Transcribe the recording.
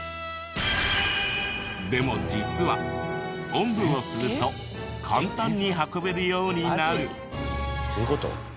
でも実はおんぶをすると簡単に運べるようになる。